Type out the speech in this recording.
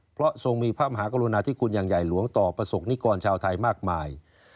เพราะทรงมีพระมหากรุณาธิคุณอย่างใหญ่หลวงต่อประสบนิกรชาวไทยมากมาย